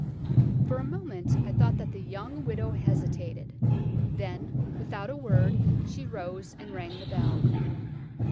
For a moment I thought that the young widow hesitated, then, without a word, she rose and rang the bell.